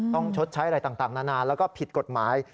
ชดใช้อะไรต่างนานาแล้วก็ผิดกฎหมาย